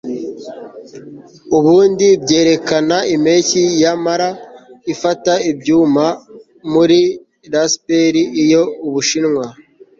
ubundi byerekana impeshyi yamara ifata ibyuma muri rasberi, iyo ubushinwa